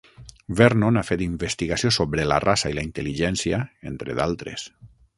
Vernon ha fet investigació sobre la raça i la intel·ligència, entre d'altres.